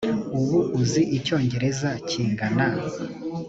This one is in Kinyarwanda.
ubu uzi icyongereza kingana